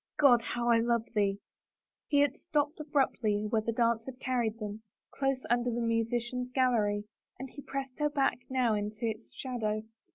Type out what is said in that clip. God, how I love thee !" He had stopped abruptly where the dance had carried them, close under the musicians' gallery, and he pressed her back now into its shadow.